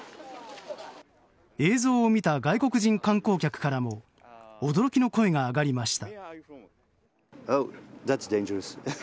映像を見た外国人観光客からも驚きの声が上がりました。